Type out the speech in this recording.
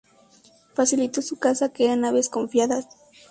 Facilitó su caza que eran aves confiadas.